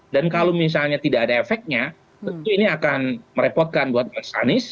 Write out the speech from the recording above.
dan kalau misalnya tidak ada efeknya tentu ini akan merepotkan buat anies